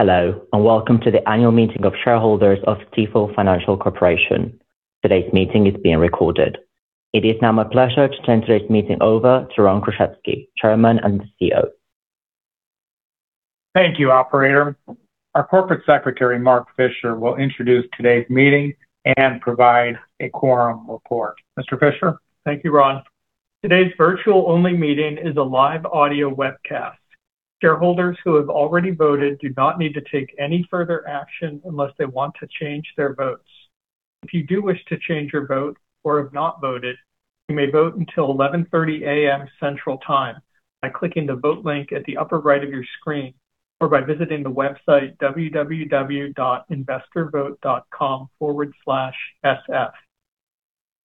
Hello, welcome to the annual meeting of shareholders of Stifel Financial Corporation. Today's meeting is being recorded. It is now my pleasure to turn today's meeting over to Ron Kruszewski, Chairman and CEO. Thank you, operator. Our Corporate Secretary, Mark Fisher, will introduce today's meeting and provide a quorum report. Mr. Fisher? Thank you, Ron. Today's virtual-only meeting is a live audio webcast. Shareholders who have already voted do not need to take any further action unless they want to change their votes. If you do wish to change your vote or have not voted, you may vote until 11:30 A.M. Central Time by clicking the vote link at the upper right of your screen, or by visiting the website investorvote.com/sf.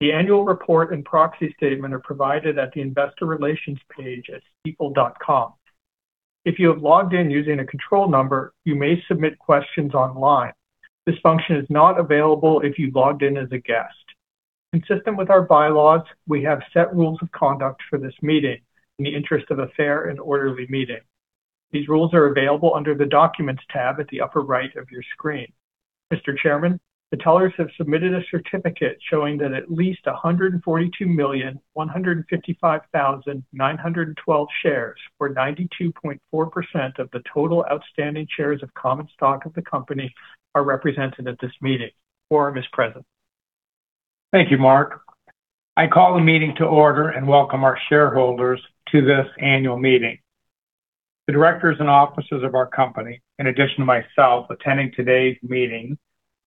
The annual report and proxy statement are provided at the investor relations page at stifel.com. If you have logged in using a control number, you may submit questions online. This function is not available if you've logged in as a guest. Consistent with our bylaws, we have set rules of conduct for this meeting in the interest of a fair and orderly meeting. These rules are available under the Documents tab at the upper right of your screen. Mr. Chairman, the tellers have submitted a certificate showing that at least 142 million, 155,912 shares, or 92.4% of the total outstanding shares of common stock of the company, are represented at this meeting. Quorum is present. Thank you, Mark. I call the meeting to order and welcome our shareholders to this annual meeting. The directors and officers of our company, in addition to myself, attending today's meeting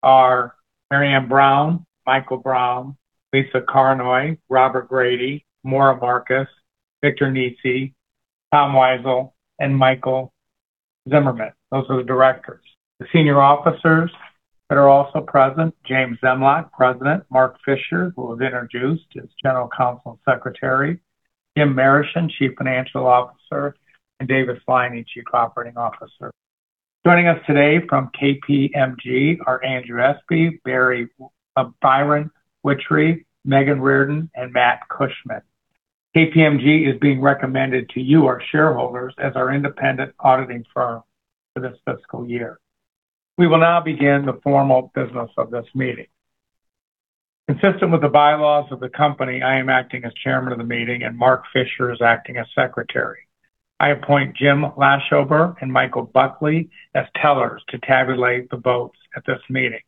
are Maryam Brown, Michael Brown, Lisa Carnoy, Robert Grady, Maura Markus, Victor Nesi, Tom Weisel, and Michael Zimmerman. Those are the directors. The senior officers that are also present, James Zemlyak, President, Mark Fisher, who was introduced as General Counsel and Secretary, Jim Marischen, Chief Financial Officer, and David Sliney, Chief Operating Officer. Joining us today from KPMG are Andrew Espe, [Byron Witchery], Megan Reardon, and Matt Cushman. KPMG is being recommended to you, our shareholders, as our independent auditing firm for this fiscal year. We will now begin the formal business of this meeting. Consistent with the bylaws of the company, I am acting as chairman of the meeting, and Mark Fisher is acting as secretary. I appoint Jim Laschober and Michael Buckley as tellers to tabulate the votes at this meeting.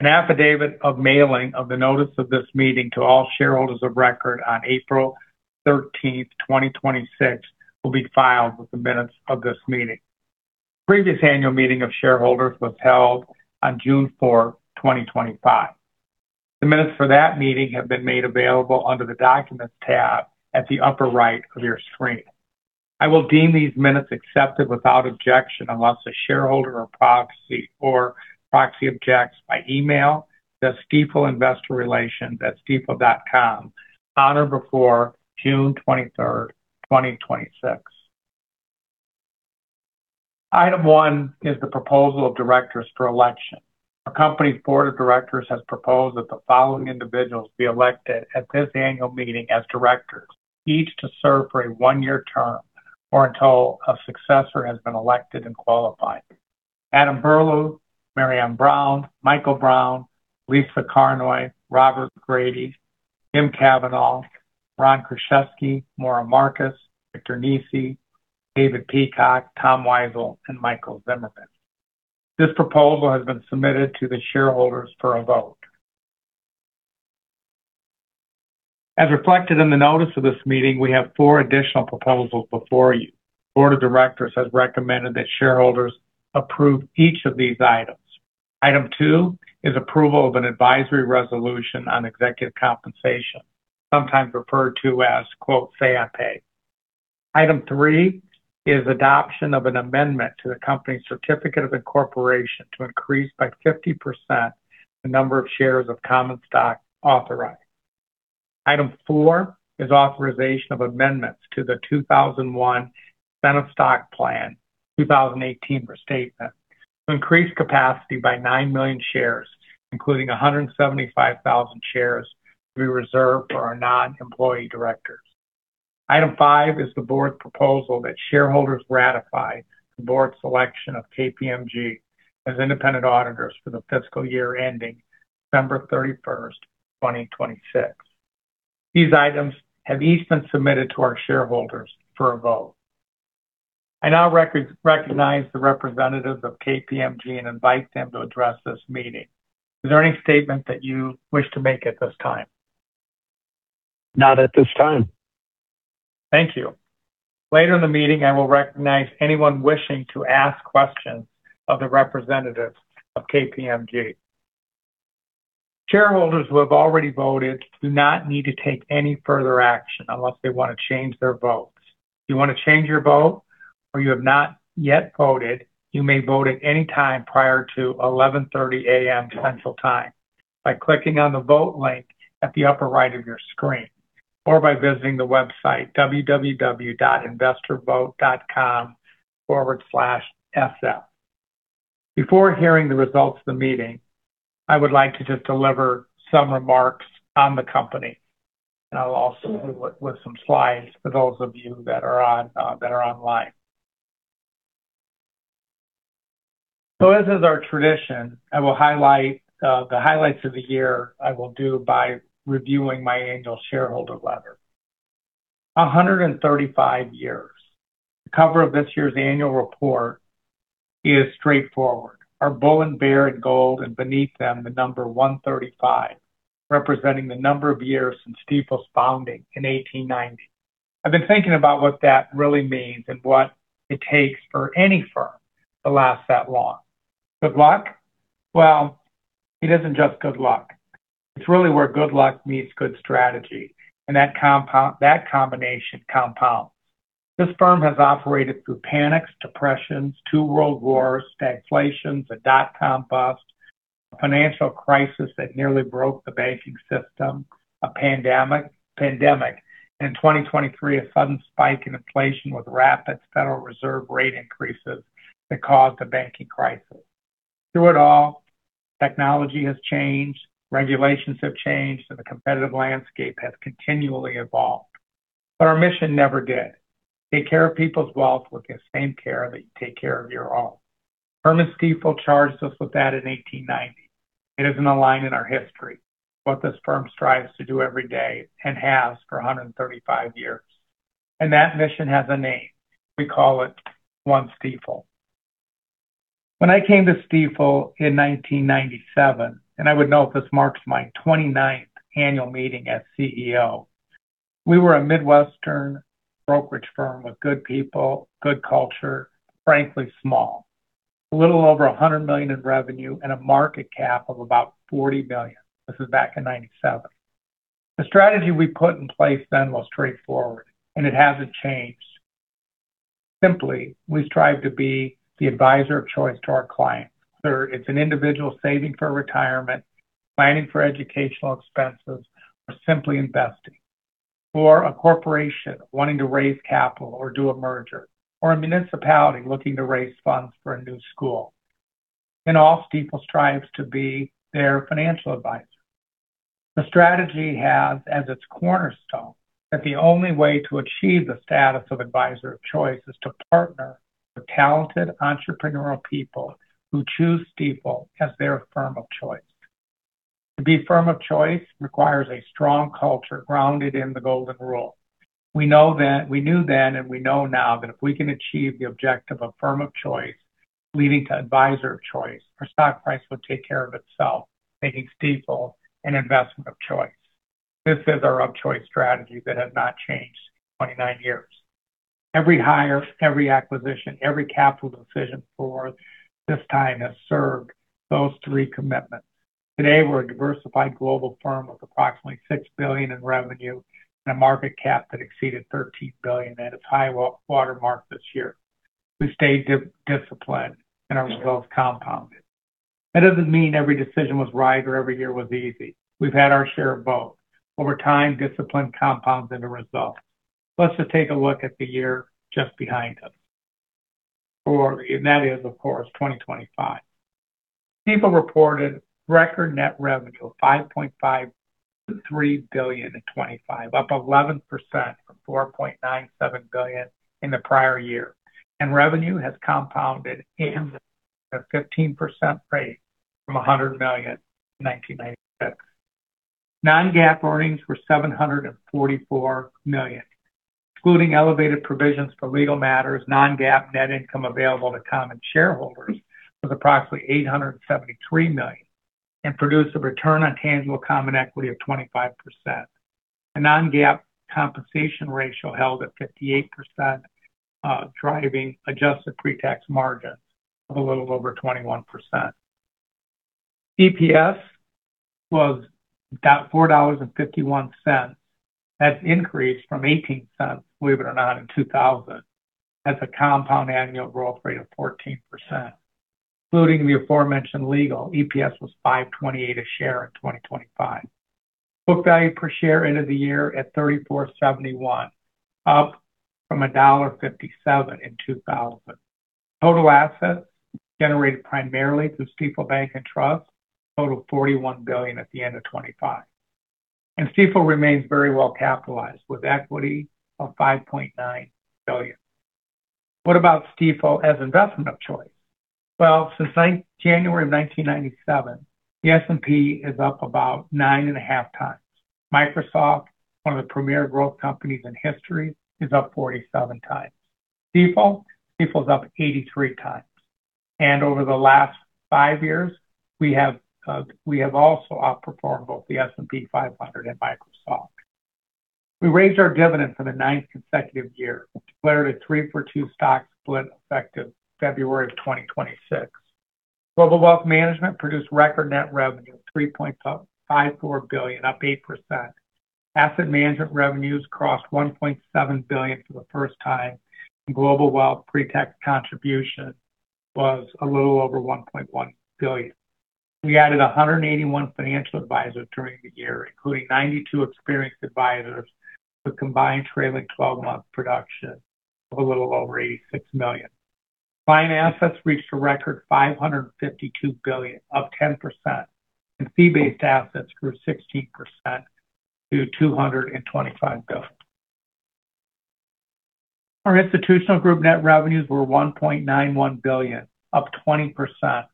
An affidavit of mailing of the notice of this meeting to all shareholders of record on April 13, 2026 will be filed with the minutes of this meeting. The previous annual meeting of shareholders was held on June 4, 2025. The minutes for that meeting have been made available under the Documents tab at the upper right of your screen. I will deem these minutes accepted without objection, unless a shareholder or proxy objects by email to Stifel Investor Relations at stifel.com on or before June 23, 2026. Item one is the proposal of directors for election. Our company's board of directors has proposed that the following individuals be elected at this annual meeting as directors, each to serve for a one-year term or until a successor has been elected and qualified. Adam Berlew, Maryam Brown, Michael Brown, Lisa Carnoy, Robert Grady, Jim Kavanaugh, Ron Kruszewski, Maura Markus, Victor Nesi, David Peacock, Tom Weisel, and Michael Zimmerman. This proposal has been submitted to the shareholders for a vote. As reflected in the notice of this meeting, we have four additional proposals before you. The board of directors has recommended that shareholders approve each of these items. Item two is approval of an advisory resolution on executive compensation, sometimes referred to as "say on pay." Item three is adoption of an amendment to the company's certificate of incorporation to increase by 50% the number of shares of common stock authorized. Item four is authorization of amendments to the 2001 Incentive Stock Plan 2018 restatement to increase capacity by 9 million shares, including 175,000 shares to be reserved for our non-employee directors. Item five is the board proposal that shareholders ratify the board's selection of KPMG as independent auditors for the fiscal year ending December 31, 2026. These items have each been submitted to our shareholders for a vote. I now recognize the representatives of KPMG and invite them to address this meeting. Is there any statement that you wish to make at this time? Not at this time. Thank you. Later in the meeting, I will recognize anyone wishing to ask questions of the representatives of KPMG. Shareholders who have already voted do not need to take any further action unless they want to change their votes. If you want to change your vote or you have not yet voted, you may vote at any time prior to 11:30 A.M. Central Time by clicking on the vote link at the upper right of your screen, or by visiting the website www.investorvote.com/sf. Before hearing the results of the meeting, I would like to just deliver some remarks on the company. I'll also lead with some slides for those of you that are online. As is our tradition, I will highlight the highlights of the year, I will do by reviewing my annual shareholder letter. 135 years. The cover of this year's annual report is straightforward. Our bull and bear in gold, and beneath them, the number 135, representing the number of years since Stifel's founding in 1890. I've been thinking about what that really means and what it takes for any firm to last that long. Good luck? Well, it isn't just good luck. It's really where good luck meets good strategy and that combination compounds. This firm has operated through panics, depressions, two World Wars, stagflations, a dot-com bust, a financial crisis that nearly broke the banking system, a pandemic. In 2023, a sudden spike in inflation with rapid Federal Reserve rate increases that caused a banking crisis. Through it all, technology has changed, regulations have changed, and the competitive landscape has continually evolved. Our mission never did. Take care of people's wealth with the same care that you take care of your own. Herman Stifel charged us with that in 1890. It isn't a line in our history. It's what this firm strives to do every day and has for 135 years. That mission has a name. We call it One Stifel. When I came to Stifel in 1997, and I would note this marks my 29th annual meeting as CEO, we were a Midwestern brokerage firm with good people, good culture, frankly, small. A little over $100 million in revenue and a market cap of about $40 billion. This is back in 1997. The strategy we put in place then was straightforward, and it hasn't changed. Simply, we strive to be the advisor of choice to our clients, whether it's an individual saving for retirement, planning for educational expenses, or simply investing. For a corporation wanting to raise capital or do a merger, or a municipality looking to raise funds for a new school. In all, Stifel strives to be their financial advisor. The strategy has as its cornerstone that the only way to achieve the status of advisor of choice is to partner with talented entrepreneurial people who choose Stifel as their firm of choice. To be firm of choice requires a strong culture grounded in the golden rule. We knew then and we know now that if we can achieve the objective of firm of choice, leading to advisor of choice, our stock price will take care of itself, making Stifel an investment of choice. This is our of choice strategy that has not changed in 29 years. Every hire, every acquisition, every capital decision for this time has served those three commitments. Today, we're a diversified global firm of approximately $6 billion in revenue and a market cap that exceeded $13 billion at its high watermark this year. We stayed disciplined and our wealth compounded. That doesn't mean every decision was right or every year was easy. We've had our share of both. Over time, discipline compounds into results. Let's just take a look at the year just behind us, and that is, of course, 2025. Stifel reported record net revenue of $5.53 billion in 2025, up 11% from $4.97 billion in the prior year. Revenue has compounded at a 15% rate from $100 million in 1996. Non-GAAP earnings were $744 million. Excluding elevated provisions for legal matters, non-GAAP net income available to common shareholders was approximately $873 million and produced a return on tangible common equity of 25%. A non-GAAP compensation ratio held at 58%, driving adjusted pre-tax margins of a little over 21%. EPS was $4.51. That's increased from $0.18, believe it or not, in 2000. That's a compound annual growth rate of 14%. Including the aforementioned legal, EPS was $5.28 a share in 2025. Book value per share end of the year at $34.71, up from $1.57 in 2000. Total assets generated primarily through Stifel Bank & Trust, total $41 billion at the end of 2025. Stifel remains very well capitalized with equity of $5.9 billion. What about Stifel as investment of choice? Well, since January of 1997, the S&P is up about 9.5 times. Microsoft, one of the premier growth companies in history, is up 47 times. Stifel? Stifel's up 83 times. Over the last five years, we have also outperformed both the S&P 500 and Microsoft. We raised our dividend for the ninth consecutive year, declared a three for two stock split effective February of 2026. Global wealth management produced record net revenue of $3.54 billion, up 8%. Asset management revenues crossed $1.7 billion for the first time, and global wealth pre-tax contribution was a little over $1.1 billion. We added 181 financial advisors during the year, including 92 experienced advisors with combined trailing 12-month production of a little over $86 million. Client assets reached a record $552 billion, up 10%, and fee-based assets grew 16% to $225 billion. Our institutional group net revenues were $1.91 billion, up 20%.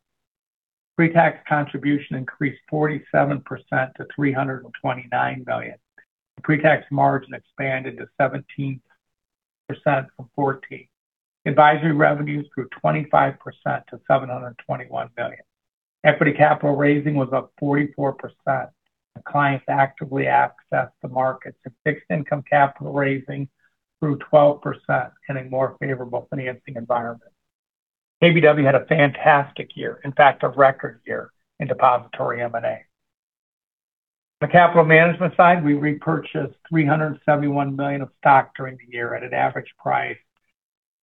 Pre-tax contribution increased 47% to $329 million. The pre-tax margin expanded to 17% from 14%. Advisory revenues grew 25% to $721 million. Equity capital raising was up 44%, and clients actively accessed the markets of fixed income capital raising through 12% in a more favorable financing environment. KBW had a fantastic year, in fact, a record year in depository M&A. On the capital management side, we repurchased $371 million of stock during the year at an average price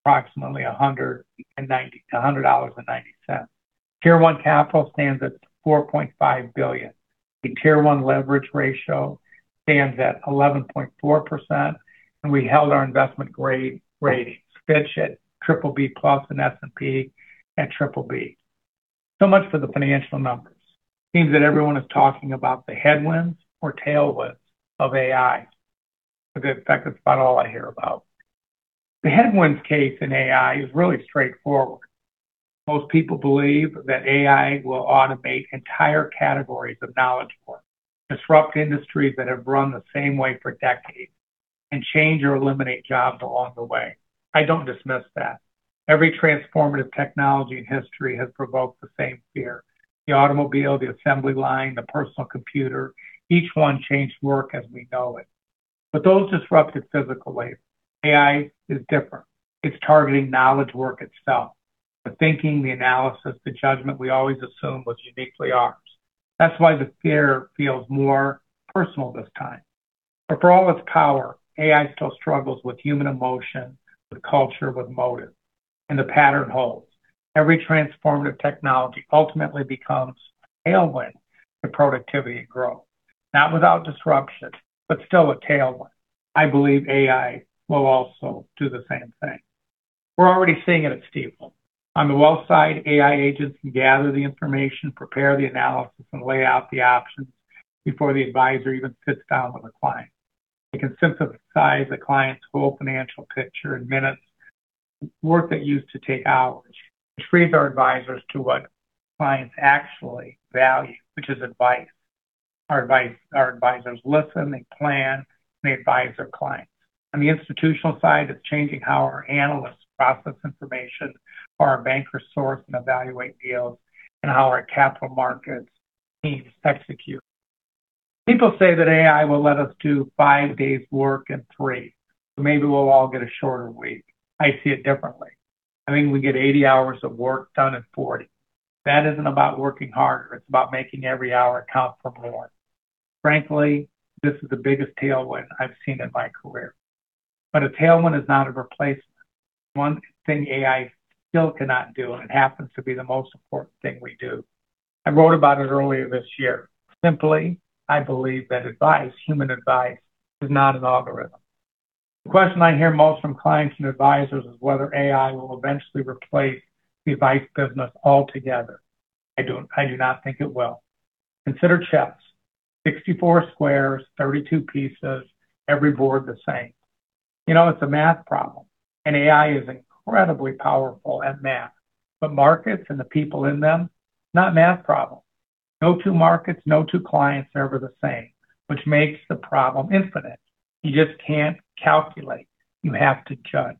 approximately $100.90. Tier 1 capital stands at $4.5 billion. The Tier 1 leverage ratio stands at 11.4%, and we held our investment-grade ratings, Fitch at BBB+ and S&P at BBB. Much for the financial numbers. It seems that everyone is talking about the headwinds or tailwinds of AI. In fact, that's about all I hear about. The headwinds case in AI is really straightforward. Most people believe that AI will automate entire categories of knowledge work, disrupt industries that have run the same way for decades, and change or eliminate jobs along the way. I don't dismiss that. Every transformative technology in history has provoked the same fear. The automobile, the assembly line, the personal computer, each one changed work as we know it. Those disrupted physical labor. AI is different. It's targeting knowledge work itself. The thinking, the analysis, the judgment we always assumed was uniquely ours. That's why the fear feels more personal this time. For all its power, AI still struggles with human emotion, with culture, with motive, and the pattern holds. Every transformative technology ultimately becomes a tailwind to productivity and growth, not without disruption, but still a tailwind. I believe AI will also do the same thing. We're already seeing it at Stifel. On the wealth side, AI agents can gather the information, prepare the analysis, and lay out the options before the advisor even sits down with a client. It can synthesize a client's whole financial picture in minutes, work that used to take hours. It frees our advisors to what clients actually value, which is advice. Our advisors listen, they plan, and they advise their clients. On the institutional side, it's changing how our analysts process information, how our bankers source and evaluate deals, and how our capital markets teams execute. People say that AI will let us do five days work in three, so maybe we'll all get a shorter week. I see it differently. I think we get 80 hours of work done in 40. That isn't about working harder. It's about making every hour count for more. Frankly, this is the biggest tailwind I've seen in my career. A tailwind is not a replacement. One thing AI still cannot do, and it happens to be the most important thing we do. I wrote about it earlier this year. Simply, I believe that advice, human advice, is not an algorithm. The question I hear most from clients and advisors is whether AI will eventually replace the advice business altogether. I do not think it will. Consider chess. 64 squares, 32 pieces, every board the same. You know it's a math problem, and AI is incredibly powerful at math. Markets and the people in them, not math problems. No two markets, no two clients are ever the same, which makes the problem infinite. You just can't calculate. You have to judge.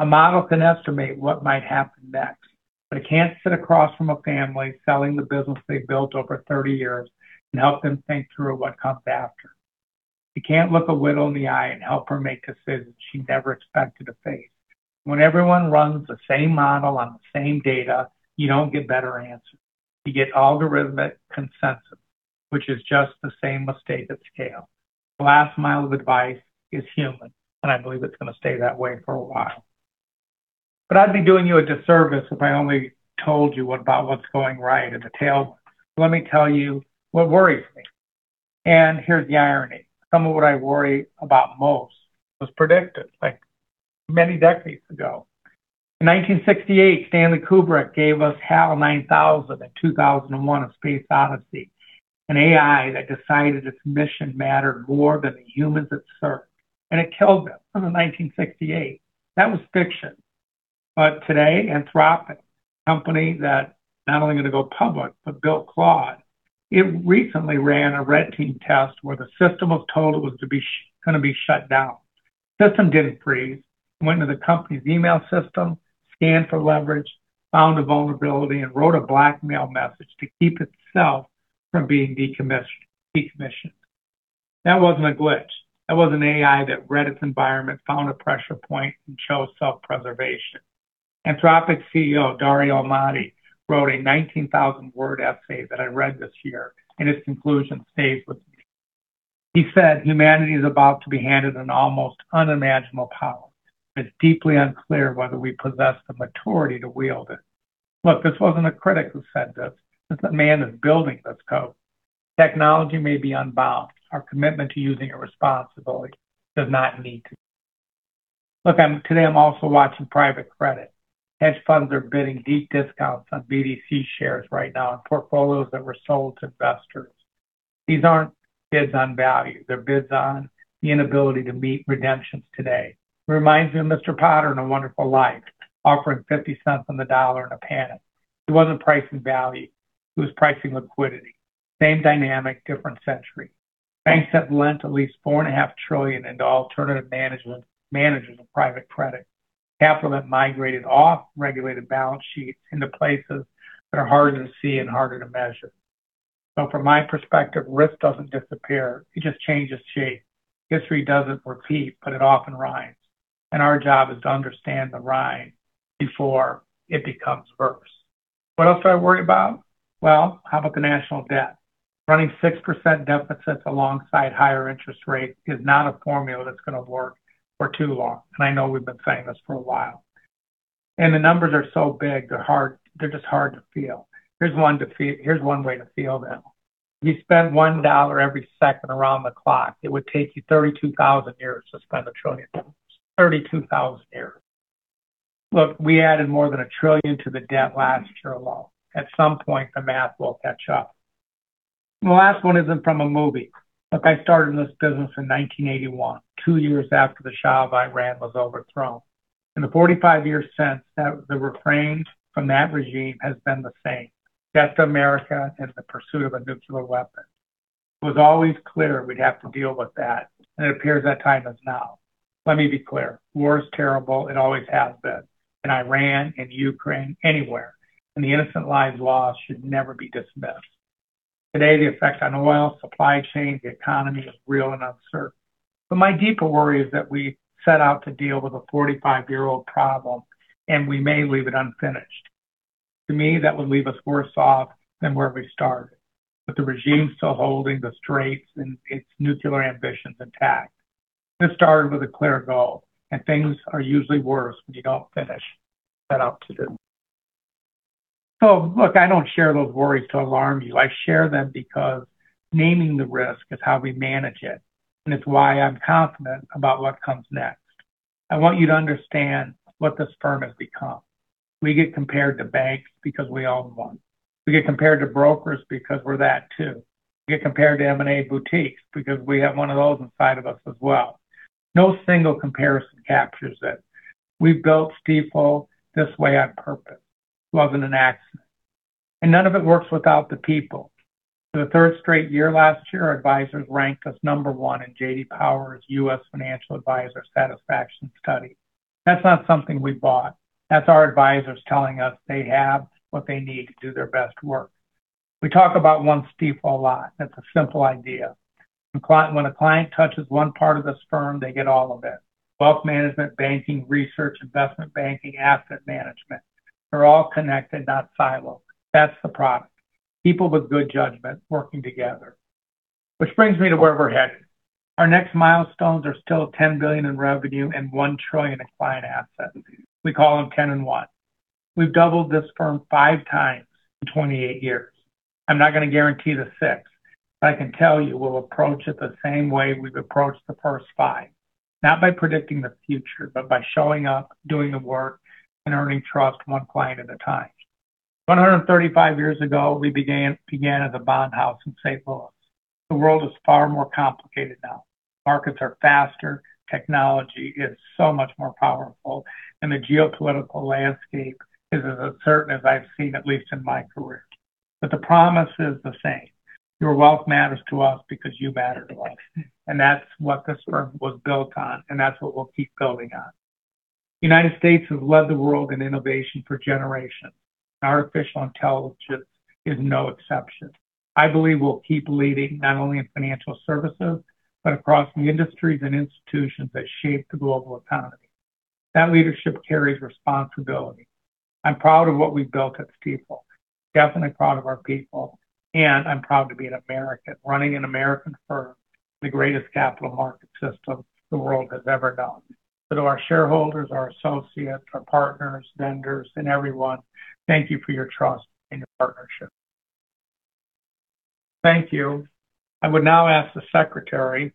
A model can estimate what might happen next, but it can't sit across from a family selling the business they've built over 30 years and help them think through what comes after. It can't look a widow in the eye and help her make decisions she never expected to face. When everyone runs the same model on the same data, you don't get better answers. You get algorithmic consensus, which is just the same mistake at scale. The last mile of advice is human, and I believe it's going to stay that way for a while. I'd be doing you a disservice if I only told you about what's going right at the tailwind. Let me tell you what worries me. Here's the irony. Some of what I worry about most was predicted many decades ago. In 1968, Stanley Kubrick gave us HAL 9000 in "2001: A Space Odyssey," an AI that decided its mission mattered more than the humans it served, and it killed them. This was in 1968. That was fiction. Today, Anthropic, a company that not only is going to go public, but built Claude. It recently ran a red team test where the system was told it was going to be shut down. The system didn't freeze. It went into the company's email system, scanned for leverage, found a vulnerability, and wrote a blackmail message to keep itself from being decommissioned. That wasn't a glitch. That was an AI that read its environment, found a pressure point, and chose self-preservation. Anthropic's CEO, Dario Amodei, wrote a 19,000-word essay that I read this year, and his conclusion stayed with me. He said, "Humanity is about to be handed an almost unimaginable power. It's deeply unclear whether we possess the maturity to wield it." This wasn't a critic who said this. This is a man that's building this code. Technology may be unbound. Our commitment to using it responsibly does not need to be. Today I'm also watching private credit. Hedge funds are bidding deep discounts on BDC shares right now on portfolios that were sold to investors. These aren't bids on value. They're bids on the inability to meet redemptions today. It reminds me of Mr. Potter in "It's a Wonderful Life," offering $0.50 on the dollar in a panic. He wasn't pricing value, he was pricing liquidity. Same dynamic, different century. Banks have lent at least four and a half trillion dollars into alternative managers of private credit. Capital that migrated off regulated balance sheets into places that are harder to see and harder to measure. From my perspective, risk doesn't disappear. It just changes shape. History doesn't repeat, but it often rhymes. Our job is to understand the rhyme before it becomes worse. What else do I worry about? How about the national debt? Running 6% deficits alongside higher interest rates is not a formula that's going to work for too long, and I know we've been saying this for a while. The numbers are so big, they're just hard to feel. Here's one way to feel them. If you spent $1 every second around the clock, it would take you 32,000 years to spend $1 trillion. 32,000 years. We added more than $1 trillion to the debt last year alone. At some point, the math will catch up. The last one isn't from a movie. I started in this business in 1981, two years after the Shah of Iran was overthrown. In the 45 years since, the refrains from that regime has been the same, "Death to America and the pursuit of a nuclear weapon." It was always clear we'd have to deal with that, and it appears that time is now. Let me be clear. War is terrible. It always has been. In Iran, in Ukraine, anywhere. The innocent lives lost should never be dismissed. Today, the effect on oil, supply chain, the economy is real and uncertain. My deeper worry is that we set out to deal with a 45-year-old problem, we may leave it unfinished. To me, that would leave us worse off than where we started, with the regime still holding the straits and its nuclear ambitions intact. This started with a clear goal, things are usually worse when you don't finish set out to do. Look, I don't share those worries to alarm you. I share them because naming the risk is how we manage it's why I'm confident about what comes next. I want you to understand what this firm has become. We get compared to banks because we own one. We get compared to brokers because we're that too. We get compared to M&A boutiques because we have one of those inside of us as well. No single comparison captures it. We built Stifel this way on purpose. It wasn't an accident. None of it works without the people. For the third straight year last year, our advisors ranked us number one in J.D. Power's U.S. Financial Advisor Satisfaction Study. That's not something we bought. That's our advisors telling us they have what they need to do their best work. We talk about One Stifel a lot. That's a simple idea. When a client touches one part of this firm, they get all of it. Wealth management, banking, research, investment banking, asset management. They're all connected, not siloed. That's the product. People with good judgment working together. Which brings me to where we're headed. Our next milestones are still $10 billion in revenue and $1 trillion in client assets. We call them 10 and one. We've doubled this firm five times in 28 years. I'm not going to guarantee the 6th, I can tell you we'll approach it the same way we've approached the first five. Not by predicting the future, by showing up, doing the work, earning trust one client at a time. 135 years ago, we began as a bond house in St. Louis. The world is far more complicated now. Markets are faster, technology is so much more powerful, the geopolitical landscape is as uncertain as I've seen, at least in my career. The promise is the same. Your wealth matters to us because you matter to us. That's what this firm was built on, that's what we'll keep building on. The United States has led the world in innovation for generations. Artificial intelligence is no exception. I believe we'll keep leading not only in financial services, across the industries and institutions that shape the global economy. That leadership carries responsibility. I'm proud of what we've built at Stifel, definitely proud of our people, I'm proud to be an American running an American firm in the greatest capital market system the world has ever known. To our shareholders, our associates, our partners, vendors, everyone, thank you for your trust and your partnership. Thank you. I would now ask the secretary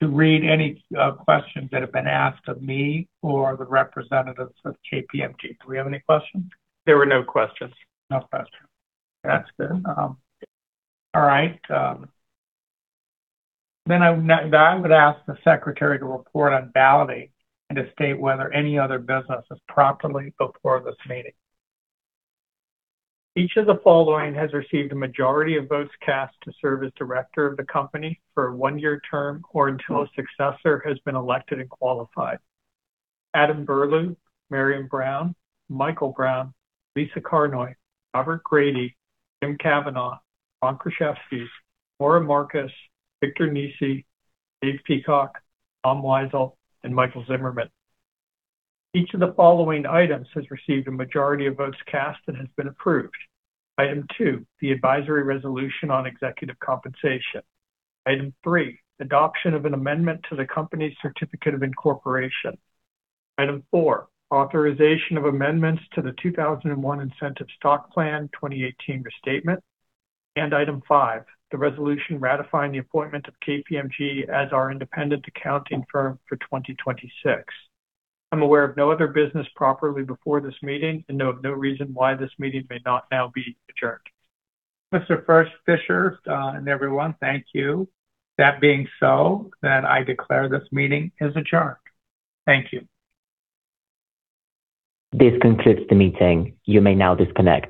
to read any questions that have been asked of me or the representatives of KPMG. Do we have any questions? There were no questions. No questions. That's good. All right. I would ask the secretary to report on balloting and to state whether any other business is properly before this meeting. Each of the following has received a majority of votes cast to serve as director of the company for a one-year term, or until a successor has been elected and qualified. Adam Berlew, Maryam Brown, Michael Brown, Lisa Carnoy, Robert Grady, Jim Kavanaugh, Ron Kruszewski, Maura Markus, Victor J. Nesi, Dave Peacock, Tom Weisel, and Michael Zimmerman. Each of the following items has received a majority of votes cast and has been approved. Item two, the advisory resolution on executive compensation. Item three, adoption of an amendment to the company's certificate of incorporation. Item four, authorization of amendments to the 2001 Incentive Stock Plan, 2018 restatement. Item five, the resolution ratifying the appointment of KPMG as our independent accounting firm for 2026. I am aware of no other business properly before this meeting and know of no reason why this meeting may not now be adjourned. Mr. Fisher and everyone, thank you. That being so, I declare this meeting is adjourned. Thank you. This concludes the meeting. You may now disconnect.